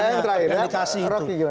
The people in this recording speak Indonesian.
yang dikasih itu